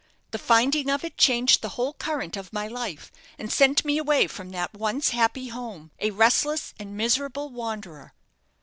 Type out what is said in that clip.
"The finding of it changed the whole current of my life, and sent me away from that once happy home a restless and miserable wanderer."